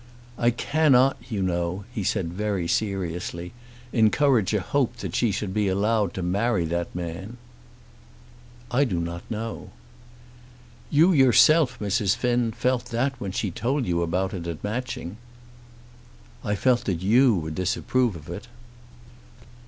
"I cannot, you know," he said very seriously, "encourage a hope that she should be allowed to marry that man." "I do not know." "You yourself, Mrs. Finn, felt that when she told you about it at Matching." "I felt that you would disapprove of it."